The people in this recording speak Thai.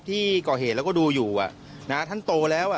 ที่ก่อเหตุแล้วก็ดูอยู่ท่านโตแล้ว